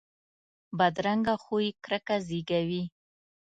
بدرنګه خوی کرکه زیږوي